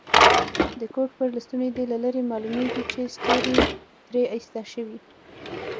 د کوټ پر لستوڼي دي له لرې معلومیږي چي ستوري ترې ایسته شوي.